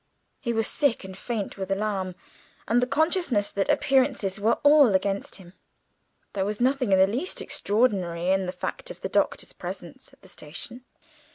He was sick and faint with alarm, and the consciousness that appearances were all against him. There was nothing in the least extraordinary in the fact of the Doctor's presence at the station.